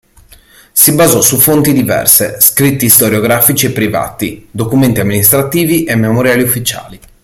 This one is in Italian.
Si basò su fonti diverse: scritti storiografici e privati, documenti amministrativi e memoriali ufficiali.